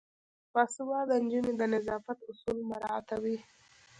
باسواده نجونې د نظافت اصول مراعاتوي.